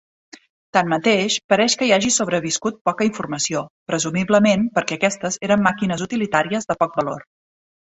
Tanmateix, pareix que hi hagi sobreviscut poca informació, presumiblement perquè aquestes eren màquines utilitàries de poc valor.